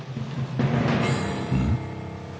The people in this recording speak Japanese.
うん？